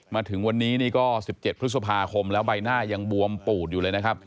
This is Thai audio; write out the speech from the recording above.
มาถึงวันนี้นี่ก็๑๗พฤษภาคมแล้วใบหน้ายังบวมปูดอยู่เลยนะครับ